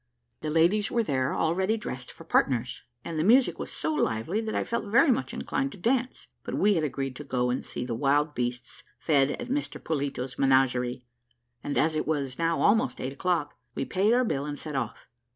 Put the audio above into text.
The ladies were there all ready dressed for partners: and the music was so lively, that I felt very much inclined to dance, but we had agreed to go and see the wild beasts fed at Mr Polito's menagerie, and as it was now almost eight o'clock, we paid our bill and set off.